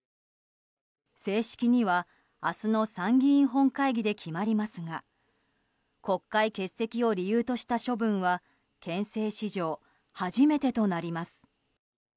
正式には明日の参議院本会議で決まりますが国会欠席を理由とした処分は憲政史上初めてとなります。